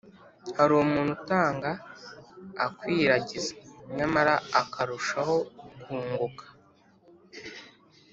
hari umuntu utanga akwiragiza, nyamara akarushaho kunguka